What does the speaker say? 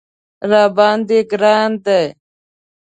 راباندې ګران دی